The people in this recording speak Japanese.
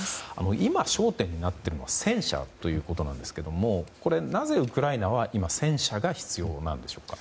今、焦点になっているのは戦車ということですがなぜ、ウクライナは今戦車が必要なんでしょうか。